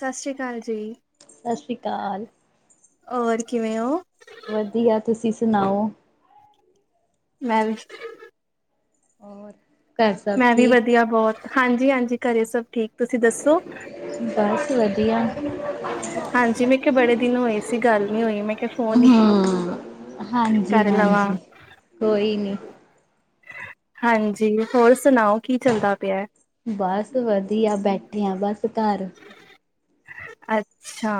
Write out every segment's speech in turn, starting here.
ਸਤਿ ਸ੍ਰੀ ਅਕਾਲ ਜੀ ਸਤਿ ਸ਼੍ਰੀ ਅਕਾਲ ਹੋਰ ਕਿਵੇਂ ਹੋ ਵਧੀਆ ਤੁਸੀਂ ਸੁਣਾਓ ਮੈਂ ਵੀ ਹੋਰ ਘਰ ਸਭ ਮੈਂ ਵੀ ਠੀਕ ਵਧੀਆ ਬਹੁਤ ਹਾਂਜੀ ਹਾਂਜੀ ਘਰੇ ਸਭ ਠੀਕ ਤੁਸੀਂ ਦੱਸੋ ਬਸ ਵਧੀਆ ਹਾਂਜੀ ਮੈਂ ਕਿਹਾ ਬੜੇ ਦਿਨ ਹੋਏ ਸੀ ਗੱਲ ਨੀ ਹੋਈ ਮੈਂ ਕਿਹਾ ਫੋਨ ਈ ਹਮ ਹਾਂਜੀ ਕਰ ਲਵਾਂ ਹਾਂਜੀ ਕੋਈ ਨੀ ਹਾਂਜੀ ਹੋਰ ਸੁਣਾਓ ਕੀ ਚੱਲਦਾ ਪਿਆ ਬਸ ਵਧੀਆ ਬੈਠੇ ਆ ਬਸ ਘਰ ਅੱਛਾ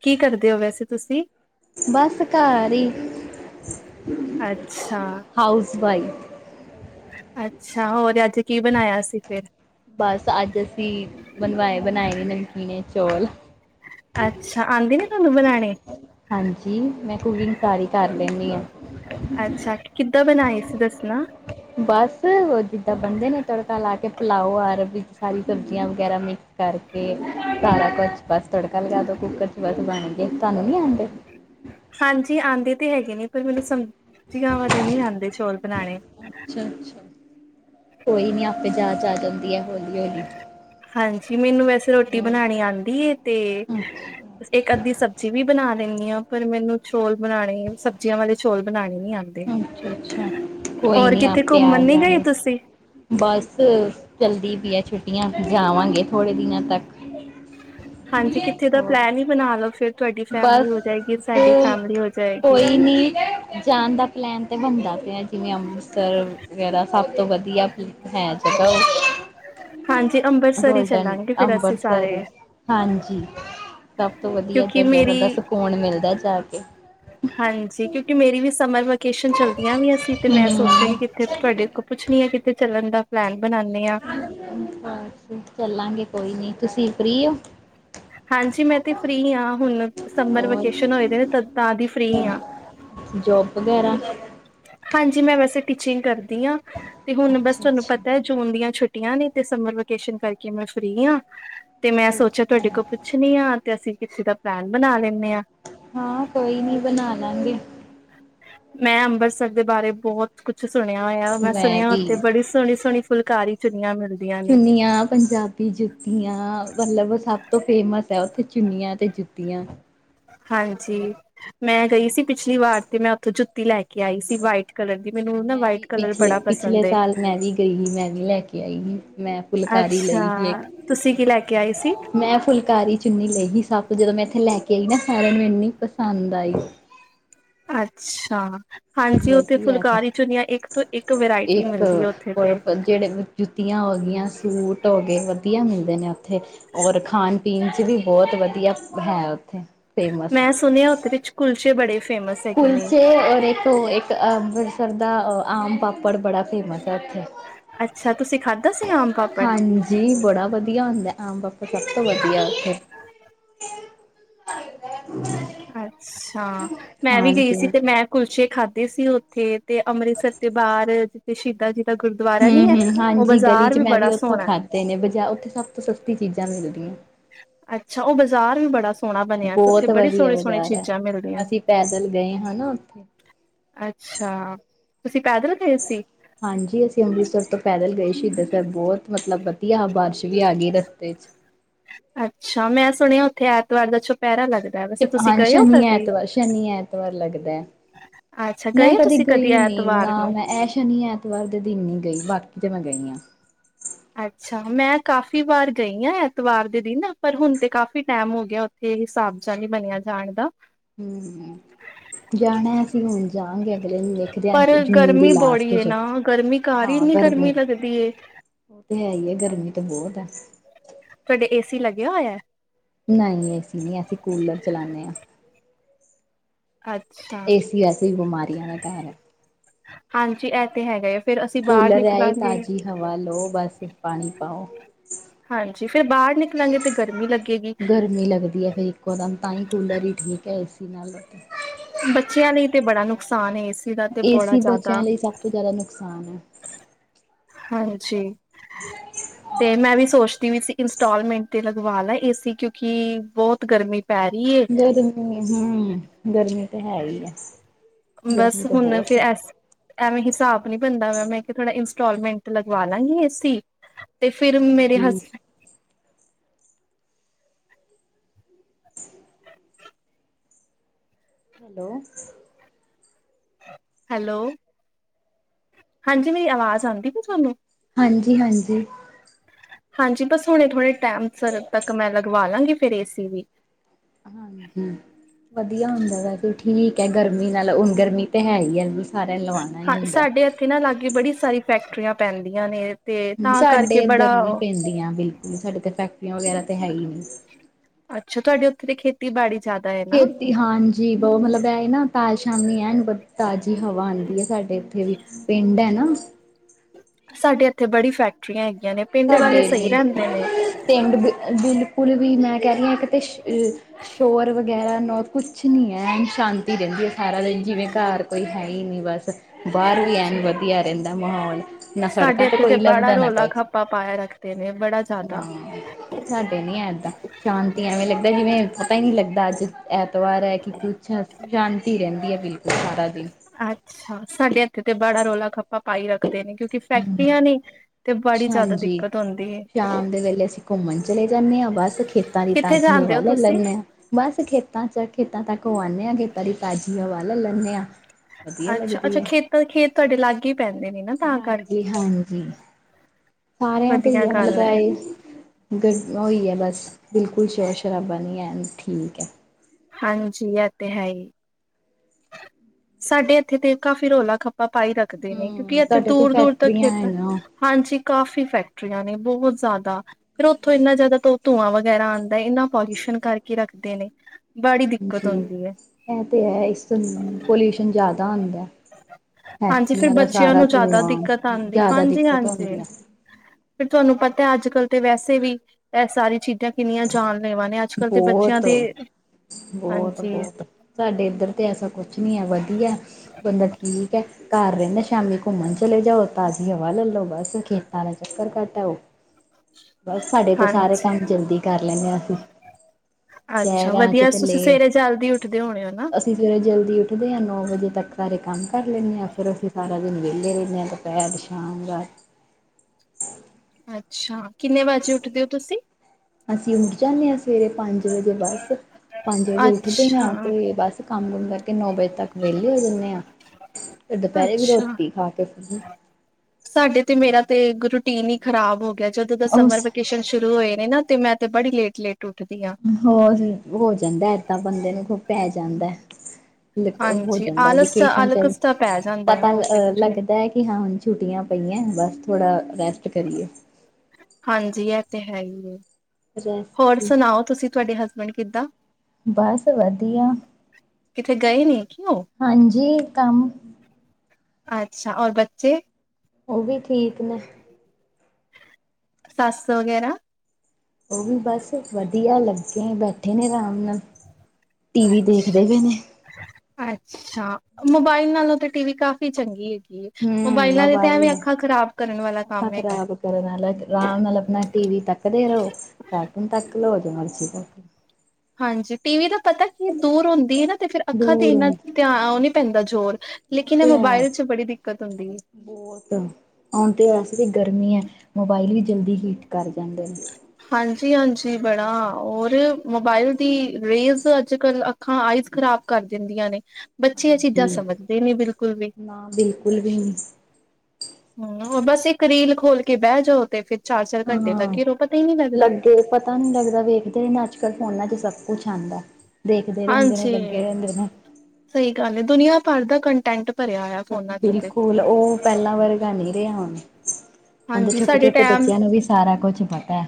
ਕੀ ਕਰਦੇ ਹੋ ਵੈਸੇ ਤੁਸੀਂ ਬਸ ਘਰ ਹੀ ਅੱਛਾ ਹਾਊਸ ਵਾਈਫ ਅੱਛਾ ਹੋਰ ਅੱਜ ਕੀ ਬਣਾਇਆ ਸੀ ਫਿਰ ਬਸ ਅੱਜ ਅਸੀਂ ਬਨਵਾਏ ਬਣਾਏ ਨਮਕੀਨੇ ਚੌਲ ਅੱਛਾ, ਆਂਦੇ ਨੇ ਤੁਹਾਨੂੰ ਬਣਾਣੇ? ਹਾਂਜੀ ਮੈਂ ਕੁਕਿੰਗ ਸਾਰੀ ਕਰ ਲੈਂਦੀ ਹਾਂ ਅੱਛਾ ਕਿੱਦਾਂ ਬਣਾਏ ਸੀ ਦੱਸਣਾ ਬਸ ਜਿੱਦਾਂ ਬੰਦੇ ਨੇ ਤੜਕਾ ਲਾ ਕੇ ਪਿਲਾਓ ਆਰ ਵਿੱਚ ਸਾਰੀ ਸਬਜ਼ੀਆਂ ਵਗੈਰਾ ਮਿਕਸ ਕਰਕੇ ਸਾਰਾ ਕੁਛ ਬਸ ਤੜਕਾ ਲਗਾ ਦਿਉ ਕੁੱਕਰ 'ਚ ਬਸ ਬਣ ਤੁਹਾਨੂੰ ਨਹੀਂ ਆਂਦੇ ਹਾਂਜੀ ਆਉਂਦੀ ਤੇ ਹੈਗੀ ਨੇ ਪਰ ਮੈਨੂੰ ਸਬਜ਼ੀਆਂ ਵਾਲੇ ਨਹੀਂ ਆਉਂਦੇ ਚੌਲ ਬਣਾਣੇ ਅੱਛਾ ਅੱਛਾ। ਕੋਈ ਨੀ ਆਪੇ ਜਾਚ ਆ ਜਾਂਦੀ ਹੈ ਹੌਲੀ ਹੌਲੀ। ਹਾਂਜੀ ਮੈਨੂੰ ਵੈਸੇ ਰੋਟੀ ਬਣਾਉਣੀ ਆਉਂਦੀ ਏ ਤੇ ਇੱਕ ਅੱਧੀ ਸਬਜ਼ੀ ਵੀ ਬਣਾ ਦਿੰਦੀ ਹਾਂ ਪਰ ਮੈਨੂੰ ਚੌਲ ਬਣਾਉਣੇ ਸਬਜ਼ੀਆਂ ਵਾਲੇ ਚੌਲ ਬਣਾਉਣੇ ਅੱਛਾ ਅੱਛਾ ਕੋਈ ਔਰ ਨੀ ਕਿੱਥੇ ਆਪੇ ਆ ਘੁੰਮਣ ਨੀ ਗਏ ਜਾਣੇ ਤੁਸੀਂ? ਬਸ ਜਲਦੀ ਵੀ ਹੈ ਛੁੱਟੀਆਂ ਜਾਵਾਂਗੇ ਥੋੜ੍ਹੇ ਦਿਨਾਂ ਤੱਕ ਹਾਂਜੀ ਕਿੱਥੇ ਦਾ ਹੋਰ ਪਲੈਨ ਹੀ ਬਣਾ ਲਓ ਫਿਰ ਤੁਹਾਡੀ ਬਸ ਫੈਮਿਲੀ ਹੋ ਜਾਏਗੀ ਸਾਡੀ ਫੈਮਿਲੀ ਹੋ ਜਾਏਗੀ। ਕੋਈ ਨੀ ਜਾਣ ਦਾ ਪਲੈਨ ਤੇ ਬੰਦਾ ਪਿਆ ਜਿਵੇਂ ਅੰਮ੍ਰਿਤਸਰ ਵਗੈਰਾ ਸਭ ਸਭ ਤੋਂ ਵਧੀਆ ਹੈ ਜਗ੍ਹਾ ਉਹ ਹਾਂਜੀ ਅੰਮ੍ਰਿਤਸਰ ਹੀ ਗੋਲਡਨ ਚੱਲਾਂਗੇ ਫੇਿਰ ਅਸੀਂ ਅੰਬਰਸਰ ਸਾਰੇ ਹੀ ਹਾਂਜੀ ਸਭ ਤੋਂ ਵਧੀਆ ਕਿ ਜਗ੍ਹਾ ਮੇਰੀ ਬੰਦਾ ਸਕੂਨ ਮਿਲਦਾ ਜਾ ਕੇ ਹਾਂਜੀ ਕਿਉਂਕਿ ਮੇਰੀ ਵੀ ਸਮਝ ਸ਼ਨ ਚਲਦੀਆਂ ਵੀ ਅ ਸੀ ਤੇ ਮੈਂ ਹਮ ਸੋਚਿਆ ਕਿੱਥੇ ਤੁਹਾਡੇ ਕੋਲ ਪੁੱਛਣੀੀਆਂ ਕਿ ਚੱਲਣ ਦਾ ਪਲੈਨ ਬਣਾਣੇ ਆ। ਬਸ ਚੱਲਾਂਗੇ ਕੋਈ ਨੀ ਤੁਸੀਂ ਪ੍ਰੀ ਹੋ ਹਾਂਜੀ ਮੈਂ ਤੇ ਫ੍ਰਰੀ ਹਾਂ ਹੁਣ ਸਮਰ ਵੇਕੇਸ਼ਨ ਹੋਰ ਹੋਏ ਤਾਂ ਦੀ ਫ੍ਰੀ ਹ ਜੋਬ ਵਗੈਰਾ ਹਾਂਜੀ ਮੈਂ ਵੈਸੇ ਟੀਚਿੰਗ ਕਰਦੀ ਹਾਂ ਤੇ ਹੁਣ ਬਸ ਅੱਛਾ ਤੁਹਾਨੂੰ ਅੱਛਾ ਪਤਾ ਜੂਨ ਦੀਆਂ ਛੁੱਟੀ ਛਟੀਆਂ ਨੇ ਤੇ ਸਮਰ ਵੇਕੇਸ਼ਨ ਕਰਕੇ ਮੈਂ ਫ੍ਰਰੀ ਹਾਂ ਤੇ ਮੈਂ ਅੱਛਾ ਸੋਚਿਆ ਤੁਹਾਡੇ ਅੱਛਾ ਕੋਲ ਪੁੱਛਣੀ ਹਾਂ ਤੇ ਅਸੀਂ ਕਿਸੇ ਦਾ ਪਲੈਨ ਬਣਾ ਲੈਂਦੇ ਹਾਂ ਹਾਂ ਕੋਈ ਨੀ ਬਣਾ ਲਾਂਗੇ ਮੈਂ ਅੰਬਸ ਦੇ ਬਾਰੇ ਬਹੁਤ ਕੁਛ ਸੁਣਿਆ ਹੋਇਆ ਮੈਂ ਸੁਣਿਆ ਉੱਥੇ ਬੜੀ ਸੋਹਣੀ ਸੋਹਣੀ ਫੁਲਕਾਰੀ ਚ ਚੁੰਨੀਆਂ ਪੰਜਾਬੀ ਜੁੱਤੀਆਂ ਮਤਲਬ ਸਪ ਤੋਂ ਫੇਮਸ ਹੈ ਉੱਥੇ ਚੁੰਨੀਆਂ ਤੇ ਜੁੱਤੀਆਂ ਹਾਂਜੀ ਮੈਂ ਗਈ ਸੀ ਪਿਛਲੀ ਵਾਰ ਤੇ ਮੈਂ ਉੱਥੋਂ ਜੁੱਤੀ ਲੈ ਕੇ ਆਈ ਸੀ ਵਾਈਟ ਕਲਰ ਦੀ ਮੈਨੂੰ ਨਾ ਮੈਂ ਵੀ ਵਾਈਟ ਕਲਰ ਪਿਛਲੇ ਬੜਾ ਪਿਛਲੇ ਪਸੰਦ ਏ ਸਾਲ ਮੈਂ ਵੀ ਗਈ ਸੀ ਮੈਂ ਵੀ ਲੈ ਕੇ ਆਈ ਸੀ ਮੈਂ ਫੁਲਕਾਰੀ ਅੱਛਾ ਲਈ ਸੀ ਇੱਕ ਤੁਸੀਂ ਕੀ ਲੈ ਕੇ ਆਏ ਸੀ ਮੈਂ ਫੁਲਕਾਰੀ ਚੁੰਨੀ ਲਈ ਸੀ ਸਭ ਤੋਂ ਜਦੋਂ ਮੈਂ ਇਥੇ ਲੈ ਕੇ ਆਈ ਨਾ ਸਾਰਿਆਂ ਨੂੰ ਇੰਨੀ ਪਸੰਦ ਆਈ ਅੱਛਾ ਹਾਂਜੀ ਉੱਥੇ ਵਧੀਆ ਤੇ ਫੁਲਕਾਰੀ ਚੁੰਨੀਆਂ ਇੱਕ ਤੋਂ ਇੱਕ ਵੈਰਾਇਟੀ ਇੱਕ ਮਿਲਦੀ ਹੈ ਉੱਥੇ ਹੋਰ ਤੇ। ਜਿਹੜੇ ਜੁੱਤੀਆਂ ਹੋ ਗਆਂ ਸੂਟ ਹੋ ਗਏ ਵਧੀਆ ਵਧੀਆ ਮਿਲਦੇ ਨੇ ਆਪ ਔਰ ਖਣ ਪਿੰਜ ਵੀ ਬਹੁਤ ਵਧੀਆ ਹੈ ਉੱਥੇ ਫੇਮਸ ਮੈਂ ਸੁਣਿਆ ਉਹਦੇ ਵਿੱਚ ਕੁਲਚੇ ਬੜੇ ਫੇਮਸ ਹੈਗੇ ਨੇ, ਕੁਲਚੇ ਔਰ ਇੱਕ ਅਬ ਸਰ ਦਾਹ ਆਮ ਪਾਪ ਪੜ ਬੜਾ ਫੇਮਸ ਆ ਉੱਥੇ ਅੱਛਾ ਤੁਸੀਂ ਖਾਧਾ ਸੀ ਆਮ ਪਾਪੜ? ਹਾਂਜੀ ਬੜਾ ਵਧੀਆ ਹੁੰਦਾ ਹਾਂ ਬਾਪਾ ਸਭ ਤੋਂ ਵਧੀਆ ਉਓਥੇ ਅੱਛਾ ਮੈਂ ਵੀ ਖਾਣ ਗਈ ਸੀ ਪੀਣ ਤੇ ਮੈਂ ਕੁਲਚੇ ਖਾਧੇ ਸੀ ਉੱਥੇ ਤੇ ਅੰਮ੍ਰਿਤਸਰ ਦੇ ਬਾਹਰ ਤੇ ਸ਼ਹੀਦਾਂ ਜੀ ਦਾ ਗੁਰਦੁਆਰਾ ਨੀ ਹੈ ਹੂੰ-ਹੂੰ, ਉਹ ਹਾਂਜੀ ਗਲੀ ਬਾਜ਼ਾਰ ਚ ਮੈਂ ਬੜਾ ਵੀ ਉੱਥੋਂ ਸੋਹਣਾ ਖਾਧੇ ਨੇ ਬਜਾ ਉੱਥੇ ਸਭ ਤੋਂ ਸਸਤੀ ਚੀਜ਼ਾਂ ਮਿਲਦੀਆਂ ਅੱਛਾ, ਉਹ ਬਾਜ਼ਾਰ ਵੀ ਬੜਾ ਸੌਣਾ ਬਹੁਤ ਵਧੀਆ ਬਾਜ਼ਾਰ ਹੈ ਮਿਲਦੀਆਂ ਨੇ। ਅਸੀਂ ਪੈਦਲ ਗਏ ਹਨ ਨਾ ਉੱਥੇ ਅੱਛਾ, ਤੁਸੀਂ ਪੈਦਲ ਗਏ ਸੀ? ਹਾਂਜੀ ਅਸੀਂ ਅੰਮ੍ਰਿਤਸਰ ਤੋਂ ਪੈਦਲ ਗਏ ਸ਼ਹੀਦ ਸਾਹਿਬ ਬਹੁਤ ਮਤਲਬ [inaudible] ਬਾਰਿਸ਼ ਵੀ ਆ ਗਈ ਰਸਤੇ ਚ ਅੱਛਾ, ਮੈਂ ਸੁਣਿਆ ਐਤਵਾਰ ਦਾ ਦੁਪਹਿਰਾ ਲੱਦਾ ਹਾਂ ਸ਼ਨੀ ਐਤਵਾਰ ਸ਼ਨੀ ਐਤਵਾਰ ਲੱਗਦਾ ਹੈ ਅੱਛਾ ਮੈਂ ਗਏ ਕਦੇ ਤੁਸੀਂ ਕਦੀ ਗਈ ਨਹੀਂ ਐਤਵਾਰ ਨਾ ਨੂੰ? ਮੈਂ ਇਹ ਸ਼ਨੀ ਐਤਵਾਰ ਦੇ ਦਿਨ ਨੀ ਗਈ ਬਾਕੀ ਤੇ ਮੈਂ ਗਈ ਹਾਂ ਅੱਛਾ ਮੈਂ ਕਾਫ਼ੀ ਵਾਰ ਗਈ ਹਾਂ ਐਤਵਾਰ ਦੇ ਦਿਨ ਪਰ ਹੁਣ ਤੇ ਕਾਫ਼ੀ ਟਾਈਮ ਹੋ ਗਿਆ ਉੱਥੇ ਹਿਸਾਬ ਜ਼ਾ ਨੀ ਬਣਿਆ ਜਾਣ ਦਾ ਹੂੰ ਜਾਣਾ ਅਸੀਂ ਹੁਣ ਜਾ ਗੇ ਅਗਲੇ ਮਹੀਨੇ ਦੇਖਦੇ ਆ ਪਰ ਜੂਨ ਦੇ ਗਰਮੀ ਲਾਸਟ ਬੜੀ ਏ ਚ ਨਾ ਗਰਮੀ ਘਰ ਹੀ ਹਾਂ ਇੰਨੀ ਗਰਮੀ ਲੱਗਦੀ ਏ ਉਹ ਤੇ ਹੈ ਹੀ ਹੈ ਗਰਮੀ ਤੇ ਬਹੁਤ ਆ ਤੁਹਾਡੇ ਏਸੀ ਲੱਗਿਆ ਹੋਇਆ? ਨਹੀਂ ਐਸੀ ਨਹੀਂ ਅਸੀਂ ਕੂਲਰ ਚਲਾਨੇ ਆ। ਅੱਛਾ ਏਸੀ ਵਸੇ ਬਿਮਾਰੀਆਂ ਦਾ ਘਰ ਹੈ। ਹਾਂਜੀ ਇਹ ਤੇ ਹੈਗਾ ਏ ਕੂਲਰ ਹੈਏ ਤਾਜ਼ੀ ਹਵਾ ਲਓ ਬਸ ਪਾਣੀ ਪਾਓ ਹਾਂਜੀ ਫੇਰ ਬਾਹਰ ਨਿਕਲਾਂਗੇ ਤੇ ਗਰਮੀ ਲੱਗੇਗੀ ਗਰਮੀ ਲੱਗਦੀ ਹੈ ਫੇਰ ਇੱਕੋ ਦਮ ਤਾਂ ਹੀ ਕੂਲਰ ਹੀ ਠੀਕ ਹੈ ਇਸ [inaudible] ਬੱਚਿਆਂ ਲਈ ਤੇ ਬੜਾ ਨੁਕਸਾਨ ਇਸ ਏਸੀ ਬੱਚਿਆਂ ਲਈ ਸਭ ਤੋਂ ਜ਼ਿਆਦਾ ਨੁਕਸਾਨ ਹੈ। ਹਾਂਜੀ, ਤੇ ਮੈਂ ਵੀ ਸੋਚਦੀ ਵੀ ਸੀ। ਇੰਸਟਾਲਮੈਂਟ ਤੇ ਲਗਵਾ ਲਾ ਏ ਸੀ ਕਿਉਂਕਿ ਬਹੁਤ ਗਰਮੀ ਪੈ ਰਹੀ ਏ ਗਰਮੀ ਹੂੰ ਗਰਮੀ ਤੇ ਹੈ ਹੀ ਆ ਬਸ ਹੁਣ ਫਿਰ ਐ ਐਵੇਂ ਹਿਸਾਬ ਬੰਦਾ ਵ ਮੈਂ ਕਿਹਾ ਥੋੜ੍ਹਾ ਇੰਸਟੋਾਲਮੈਂਟ ਲਗਵਾ ਲਾਂਗੀ ਸੀ। ਤੇ ਫਿਰ ਮੇਰੇ ਹਾਂਜੀ, ਹਸਬੈਂਡ, ਹ [inaudible] ਹੈਲੋ, ਹੈਲੋ, ਹਾਂਜੀ ਮੇਰੀ ਆਵਾਜ਼ ਆਉਂਦੀ ਸੀ ਤੁਾਨੂੰ ਹਾਂਜੀ ਹਾਂਜੀ ਹਾਂਜੀ ਬਸ ਹੁਣੇ ਥੋੜੇ ਟਾਈਮ ਸ ਤੱਕ ਮੈਂ ਲਗਵਾ ਲਾਂਗੀ ਫਰੇ ਸੀ ਵੀ ਹਾਂਜੀ ਵਧੀਆ ਹੁੰਦਾ ਵਾ ਫ ਠੀਕ ਹੈ ਗਰਮੀ ਨਾਲ ਹੁਣ ਗਰਮੀ ਤਾਂ ਹੈ ਹੀ ਹੈ ਵੀ ਹਾਂ ਸਾਡੇ ਇੱਥੇ ਨਾ ਲਾਗੇ ਬੜੀ ਸਾਰੀ ਫੈਕਟਰੀਆਂ ਪੈਂਦੀਆਂ ਨੇ ਤੇ ਤਾਂ ਕਰਕੇ ਸਾਡੇ ਇੱਧਰ ਬੜਾ ਨੀ ਪੈਂਦੀਆਂ ਬਿਲਕੁਲ ਸਾਡੇ ਤੇ ਫੈਕਟਰੀਆਂ ਵਗੈਰਾ ਤਾਂ ਹੈ ਹੀ ਨੇ ਅੱਛਾ ਤੁਹਾਡ ਉਥੇ ਦੇ ਖੇਤੀਬਾੜੀ ਜ਼ਿਆਦਾ ਹੈ ਨਾ ਖੇਤੀ ਹਾਂਜੀ ਬਹੁਤ ਮਤਲਬ ਇਹ ਨਾ ਤਾਜ ਸ਼ਾਮੀ ਐਨ ਬ ਤਾਜ਼ੀ ਹਵਾ ਆਉਂਦੀ ਹੈ ਸਾਡੇ ਇੱਥੇ ਵੀ ਪਿੰਡ ਹੈ ਨਾ ਸਾਡੇ ਇੱਥੇ ਬੜੀ ਫੈਕਟਰੀਆਂ ਹੈਗ ਸਾਡੇ ਲਈ ਪਿੰਡ ਬਿਲਕੁਲ ਵੀ ਮੈਂ ਕਹਿ ਰਹੀ ਹਾਂ ਕਿ ਤਾਂ ਸ਼ ਸ਼ੋਰ ਵਗੈਰਾ ਨੋ ਕੁਛ ਨਹੀਂ ਹੈ ਸ਼ਾਂਤੀ ਰਹਿੰਦੀ ਹੈ ਸਾਰਾ ਦਿਨ ਜਿਵੇਂ ਘਰ ਕੋਈ ਹੈ ਹੀ ਨਹੀਂ ਬਸ ਬਾਹਰ ਵੀ ਐਨ ਅੱਛਾ ਵਧੀਆ ਰਹਿੰਦਾ ਦਾ ਮਾਹੌਲ ਨਾ ਸਾਡੇ ਸੜਕਾਂ ਇੱਥੇ ਤੇ ਕੋਈ ਬੜਾ ਲੱਭਦਾ ਨਾ ਰੋਲਾ ਕੁਛ ਖੱਪਾ ਪਾਇਆ ਰੱਖਦੇ ਨੇ ਬੜਾ ਜ਼ਿਆਦਾ ਹਾਂ ਸਾਡੇ ਨੀ ਹੈ ਇਦਾਂ ਸ਼ਾਂਤੀ ਐਵੇਂ ਲੱਗਦਾ ਜਿਵੇਂ ਪਤਾ ਹੀ ਨਹੀਂ ਲੱਗਦਾ ਅੱਜ ਐਤਵਾਰ ਹੈ ਕਿ ਕੁੱਛ ਸ਼ਾਂ ਰਹਿੰਦੀ ਹੈ ਬਿਲਕੁਲ ਸਾਰਾ ਦਿਨ ਅੱਛਾ ਸਾਡੇ ਹੱਥੇ ਤੇ ਬੜਾ ਰੌਲਾ ਖੱਪਾ ਪਾਾਈ ਰੱਖਦੇ ਨੇ ਕਿਉਂਕਿ ਹ ਫੈਕਟਰੀਆਂ ਨੇ ਤੇ ਬੜੀ ਜ਼ਿਆਦਾ ਹਾਂਜੀ ਦਿੱਕਤ ਹੁੰਦੀ ਏ ਸ਼ਾਮ ਦੇ ਵੇਲੇ ਅਸੀਂ ਘੁੰਮਣ ਚਲੇ ਜਾਂਦੇ ਹਾਂ ਬਸ ਖੇਤਾਂ ਦੀ ਕਿੱਥੇ ਤਾਜ਼ੀ ਜਾਂਦੇ ਹਵਾ ਹੋ ਲੈ ਤੁਸੀਂ ਲੈਂਦੇ ਹਾਂ ਬਸ ਖੇਤਾਂ ਚ ਖੇਤਾਂ ਤੱਕ ਹੋ ਆਉਂਦੇ ਹਾਂ ਖੇਤਾਂ ਦੀ ਤਾਜ਼ੀ ਹਵਾ ਲੈ ਲੈਂਦੇ ਹਾਂ ਵਧੀਆ ਅੱਛਾ ਲੱਗਦੀ ਅੱਛਾ ਹੈ ਖੇਤਾਂ ਖੇਤ ਤੁਹਾਡੇ ਲਾਗ ਹੀਈ ਪੈਂਦਾ ਹਾਂਜੀ ਹਾਂਜੀ ਸਾਰਿਆਂ ਤੇ ਹੀ ਵਧੀਆ ਹੈ ਮਤਲਬ ਗੱਲ ਇਹ ਗ ਉਈ ਹੈ ਬੱਸ ਬਿਲਕੁਲ ਸ਼ੋਰ ਸ਼ਰਾਬਾ ਨੀ ਐ ਠੀਕ ਹੈ ਹਾਂਜੀ ਇਹ ਤੇ ਹੈ ਹੀ ਸਾਡੇ ਇੱਥੇ ਤੇ ਕਾਫੀ ਰੌਲਾ ਖੱਪ ਆਪਾਂ ਪਾਈ ਰੱਖਦੇ ਨੇ ਕਿਉਂਕਿ ਹਮ ਇੱਥੇ ਤੁਹਾਡੇ ਤੋਂ ਦੂਰ ਦੂਰ ਤੱਕ ਫੈਕਟਰੀਆਂ ਹੈ ਖੇਤ ਨਾ ਹਾਂਜੀ ਕਾਫੀ ਫੈਕਟਰੀਆਂ ਨੇ ਬਹੁਤ ਜ਼ਿਆਦਾ ਫੇਰ ਉੱਥੋਂ ਇੰਨਾ ਜ਼ਿਆਦਾ ਧੂੰਆਂ ਵਗੈਰਾ ਆਂਦਾ ਐ ਇਨਾ ਪੋਲੀਉਸ਼ਨ ਕਰਕੇ ਰੱਖਦੇ ਨੇ ਬੜੀ ਦਿੱਕਤ ਆਉਦੀ ਐ ਪੋਲਊਸ਼ਨ ਜਾਦਾ ਹੁੰਦਾ ਹਾਂਜੀ ਫਿਰ ਫੈਕਟਰੀਆਂ ਦਾ ਬੱਚਿਆਂ ਸਾਰਾ ਨੂੰ ਜਾਦਾ ਧੂੰਆਂ ਦਿੱਕਤ ਆਂਦੀ ਜ਼ਿਆਦਾ ਦਿੱਕਤ ਹਾਂਜੀ-ਹਾਂਜੀ ਹੁੰਦੀ ਹੈ। ਫਿਰ ਤੁਹਾਨੂੰ ਪਤਾ ਤਾਂ ਅੱਜ ਕੱਲ੍ਹ ਤੇ ਵੈਸੇ ਵੀ ਐ ਸਾਰੀ ਚੀਜ਼ਾਂ ਕਿੰਨੀਆਂ [inaudible] ਜਾਨਲੇਵਾ ਨੇ ਅੱਜ ਕੱਲ੍ਹ ਦੇ ਬੱਚਿਆਂ ਦੇ ਹਾਂਜੀ ਬੰਦਾ ਠੀਕ ਐ ਘਰ ਰੇਂਦਾ ਸ਼ਾਮੀ ਘੁੰਮਣ ਚਲੇ ਜਾਓ ਤਾਜ਼ੀ ਹਵਾ ਲੈ ਲੋ ਬਸ ਖੇਤਾਂ ਦਾ ਚੱਕਰ ਘੱਟ ਆਓ ਬਸ ਸਾਡੇ ਤੇ ਸਾਰੇ ਹਾਂਜੀ ਕੰਮ ਜਲਦੀ ਕਰ ਲੈਂਨੇ ਆ ਅਸੀਂ ਅੱਛਾ ਸ਼ਹਿਰਾਂ ਚ ਵਧੀਆ ਤੇ ਤੁਸੀਂ ਲੇਟ ਸਵੇਰੇ ਜਲਦੀ ਉੱਠਦੇ ਹੋਣੇ ਹੋ ਨਾ ਅਸੀਂ ਸਵੇਰੇ ਜਲਦੀ ਉੱਠਦੇ ਆ ਨੌ ਵਜੇ ਤੱਕ ਸਾਰੇ ਕੰਮ ਕਰ ਲੈਨੇ ਆ ਫਿਰ ਅਸੀਂ ਸਾਰਾ ਦਿਨ ਵੇਲੇ ਰੇਨੇ ਆ ਦੁਪੈਰ ਸ਼ਾਮ ਦਾ ਅੱਛਾ ਕਿੰਨੇ ਵਜੇ ਉੱਠਦੇ ਓ ਤੁਸੀਂ ਅਸੀਂ ਉੱਠ ਜਾਂਨੇ ਆ ਸਵੇਰੇ ਪੰਜ ਵਜੇ ਬਸ ਪੰਜ ਵਜੇ ਉੱਠਦੇ ਆ ਅੱਛਾ ਤੇ ਬਸ ਕੰਮ ਕੁਮ ਕਰ ਕਿ ਨੌ ਵਜ ਤੱਕ ਵੇਲੇ ਹੋ ਜਾਂਨੇ ਆ ਤੇ ਦੂਪੇਰੇ ਵੀ ਅੱਛਾ ਰੋਟੀ ਖਾ ਕੇ ਫ੍ਰੀ ਸਾਡੇ ਤੇ ਮੇਰਾ ਤੇ ਰੂਟੀਨ ਈ ਖ਼ਰਾਬ ਹੋ ਗਿਆ ਜਦੋਂ ਦਾ ਸਮਰ ਉਸ ਵੈਕੇਸ਼ਨ ਸ਼ੁਰੂ ਹੋਏ ਨੇ ਨਾ ਤੇ ਮੈਂ ਤੇ ਬੜੀ ਲੇਟ [unintelligible] ਹਾਂ ਹੋਰ ਹੋ ਜਾਂਦਾ ਏਦਾਂ ਬੰਦੇ ਨੂੰ [unintelligible] ਪੈ ਜਾਂਦਾ ਲ ਹੋ ਹਾਂਜੀ ਜਾਂਦਾ ਆਲਸ ਵੇਕੇਸ਼ਨ ਚ ਆਲਕਸਤਾ ਪੈ ਜਾਂਦਾ ਹੈ, ਪਤਾ ਹੋਰ ਤੇ ਲ ਕੁਛ ਨੀ ਲੱਗਦਾ ਐ ਕਿ ਹਾਂ ਹੁਣ ਛੁੱਟੀਆਂ ਪਾਈਆਂ ਬਸ ਥੋੜ੍ਹਾ ਰੈਸਟ ਕਰੀਏ ਹਾਂਜੀ ਇਹ ਤੇ ਹੈ ਈ ਏ ਹੋਰ ਰੈਸਟ ਸੁਣਾਓ ਤੁਸੀਂ ਤੁਹਾਡੇ ਹਸਬੈਂਡ ਕਿੱਦਾਂ? ਬਸ ਵਧੀਆ ਕਿੱਥੇ ਗਏ ਨੀ। ਹਾਂਜੀ ਕੰਮ ਅੱਛਾ ਔਰ ਬੱਚੇ ਓ ਵੀ ਠੀਕ ਨੇ ਸੱਸ ਵਗੈਰਾ। ਓ ਵੀ ਬਸ ਵਧੀਆ ਲੱਗੇ ਬੈਠੇ ਨੇ ਆਰਾਮ ਨਾਲ ਟੀ ਵੀ ਅੱਛਾ ਦੇਖਦੇ ਪਏ ਨੇ। ਅੱਛਾ ਮੋਬਾਇਲ ਨਾਲੋਂ ਤੇ ਟੀ ਵੀ ਕਾਫ਼ੀ ਚੰਗੀ ਏ ਹਮ। ਮੋਬਾਈਲ ਕਰਨ ਵਾਲਾ ਅੱਖਾਂ ਕੰਮ ਹੈਗਾ ਖਰਾਬ ਕਰਨ ਆਰਾਮ ਨਾਲ ਆਪਣਾ ਟੀ ਵੀ ਤੱਕਦੇ ਰਹੋ। ਕਾਰਟੂਨ ਤੱਕ ਲੋਓ। ਨਾਲ ਸੀ ਕਰ ਹਾਂਜੀ। ਟੀ ਵੀ ਦਾ ਪਤਾ ਕੀ ਦੂਰ ਹੁੰਦੀ ਨਾ ਤੇ ਫਿਰ ਅੱਖਾਂ ਤੇ ਦੂਰ ਇੰਨਾ, ਧਿਆਨ ਉਹ ਪੈਂਦਾ ਜੋਰ ਤੇ ਹੈ। ਹੈ ਬਹੁਤ ਹੁੰਨਾ ਆਂ ਤੇ ਗਰਮੀ ਹੈ, ਮੋਬਾਇਲ ਵੀ ਜਲਦੀ ਹੀਟ ਕਰ ਜਾਂਦੇ ਨੇ ਹਾਂਜੀ- ਹਾਂਜੀ ਬੜਾ, ਔਰ ਮੋਬਾਇਲ ਦੀ ਰੇਜ਼ ਅੱਜ ਕੱਲ੍ਹ ਅੱਖਾਂ, ਆਈਜ਼ ਖ਼ਰਾਬ ਕਰ ਦਿੰਦੀਆਂ ਨੇ ਬੱਚੇ ਇਹ ਚੀਜ਼ਾਂ ਹਾਂਜੀ ਸਮਝਦੇ ਨੇ ਬਿਲਕੁਲ ਵੀ ਨਾ ਬਿਲਕੁਲ ਵੀ ਨਹੀਂ ਹਮ, ਬਸ ਇੱਕ ਰੀਲ ਖੋਲ ਕੇ ਬਹਿ ਜਾਓ ਤੇ ਫਿਰ ਚਾਰ-ਚਾਰ ਘੰਟੇ ਹਾਂ। ਲੱਗੇ ਰਹੋ ਪਤਾ ਹੀ ਨਹੀਂ ਲੱਗਦਾ। ਲੱਗੇ ਪਤਾ ਨਹੀਂ ਲੱਗਦਾ ਵੇਖਦੇ ਨਾ ਅੱਜ ਕੱਲ ਫੋਨਾਂ ਚ ਸਭ ਕੁਛ ਆਉਂਦਾ ਦੇਖਦੇ ਰਹਿੰਦੇ ਨੇ ਹਾਂਜੀ, ਲੱਗੇ ਰਹਿੰਦੇ ਨੇ ਸਹੀ ਗੱਲ ਹੈ। ਦੁਨੀਆਂ ਭਰਦਾ ਕੰਟੈਂਟ ਭਰਿਆ ਹੋਇਆ ਫੋਨਾਂ ਚ ਤੇ ਬਿਲਕੁਲ ਉਹ ਪਹਿਲਾਂ ਵਰਗਾ ਨੀ ਰਿਹਾਆਉਣ ਹਾਂਜੀ। ਸਾਡੇ ਟੈਮ, ਕੁਛ ਪਤਾ ਹੈ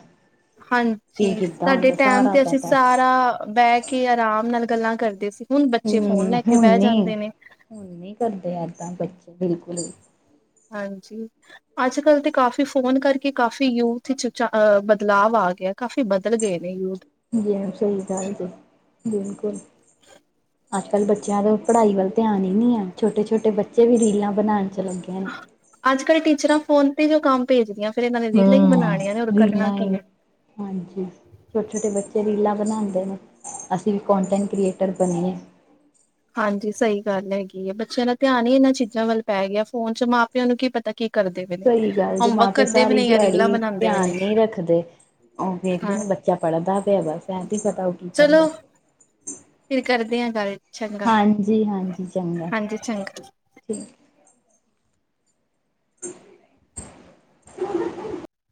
ਕੀ ਹਾਂਜੀ, ਕਿੱਦਾਂ ਸਾਡੇ ਹੁੰਦਾ ਟੈਮ ਸਾਰਾ ਤੇ ਅਸੀਂ ਪਤਾ ਹੈ ਸਾਰਾ ਬਹਿ ਕੇ ਆਰਾਮ ਨਾਲ ਗੱਲਾਂ ਕਰਦੇ ਸੀ। ਹੁਣ ਬੱਚੇ ਫੋਨ ਹਮ। ਲੈ ਕੇ ਬਹਿ ਹੁਣ, ਜਾਂਦੇ ਨੇ ਹੁਣ ਨੀ ਕਰਦੇ ਏਦਾਂ ਬੱਚੇ ਬਿਲਕੁਲ [unintelligible] ਹਾਂਜੀ। ਅੱਜ ਕੱਲ੍ਹ ਤੇ ਕਾਫ਼ੀ ਫੋਨ ਕਰਕੇ ਕਾਫ਼ੀ ਯੂਥ ਚ ਬਦਲਾਵ ਆ ਗਿਆ। ਕਾਫ਼ੀ ਬਦਲ ਗਏ ਨੇ ਯੂਥ ਜੀ, ਸਹੀ ਗੱਲ ਜੇ ਬਿਲਕੁਲ [unintelligible] ਅੱਜ ਕੱਲ੍ਹ ਬੱਚਿਆਂ ਦਾ ਪੜ੍ਹਾਈ ਵੱਲ ਧਿਆਨ ਹੀ ਨਹੀਂ ਹੈ। ਛੋਟੇ- ਛੋਟੇ ਬੱਚੇ ਵੀ ਰੀਲਾਂ ਬਣਾਉਣ ਚ ਲੱਗੇ ਨੇ ਅੱਜ ਕਲ ਟੀਚਰਾਂ ਫੋਨ ਤੇ ਜੋ ਕੰਮ ਭੇਜਦੀਆਂ। ਫਿਰ ਇਹਨਾਂ ਨੇ ਰੀਲਾਂ ਹੀ ਹਮ ਬਣਾਣੀਆਂ ਨੇ ਹੋਰ ਕਰਨਾ ਕੀ ਹੈ। [unintelligible] ਛੋਟੇ -ਛੋਟੇ ਬੱਚੇ ਰੀਲਾਂ ਬਣਾਉਂਦੇ ਨੇ, ਅਸੀਂ ਵੀ ਕੋਂਟੈਂਟ ਕ੍ਰੀਏਟਰ ਬਣਨੀ। ਹਾਂਜੀ। ਸਹੀ ਗੱਲ ਹੈਗੀ ਹੈ ਬੱਚਿਆਂ ਦਾ ਧਿਆਨ ਹੀ ਇਹਨਾਂ ਚੀਜ਼ਾਂ ਵੱਲ ਪੈ ਗਿਆ ਫੋਨ ਚ ਮਾਂ -ਪਿਓ ਨੂੰ ਕੀ ਪਤਾ ਕੀ ਕਰਦੇ ਪਏ ਨੇ ਸਹੀ ਗੱਲ ਜ ਮਾਂ ਹੋਮਵਰਕ -ਪਿਓ ਕਰਦੇ ਵੀ ਸਾਰੀ ਨੇ ਜਾਂ ਰੀਲਾਂ ਦਿਹਾੜੀ ਬਣਾਉਂਦੇ ਵੀ ਧਿਆਨ ਨੇ ਨਹੀਂ ਰੱਖਦੇ। ਉਹ ਦੇਖਦੇ ਹਾਂ ਨੇ ਬੱਚਾ ਪੜ੍ਹਦਾ ਬਸ [unintelligible] ਕੀ ਕਰਦਾ ਚਲੋ, ਫਿਰ ਕਰਦੇ ਹਾਂ। ਸਾਰੇ ਹਾਂਜੀ- ਹਾਂਜੀ ਚੰਗਾ, ਚੰਗਾ ਠੀਕ [unintelligible]